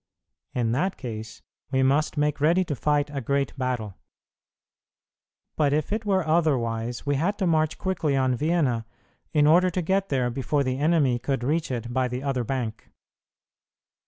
In that case, we must make ready to fight a great battle; but if it were otherwise, we had to march quickly on Vienna in order to get there before the enemy could reach it by the other bank.